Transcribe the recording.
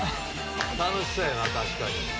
楽しそうやな確かに。